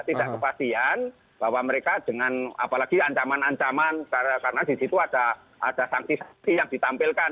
tidak kepastian bahwa mereka dengan apalagi ancaman ancaman karena disitu ada sankti sankti yang ditampilkan